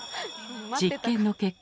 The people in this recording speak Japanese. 実験の結果